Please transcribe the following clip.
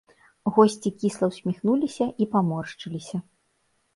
Госці кісла ўсміхнуліся і паморшчыліся.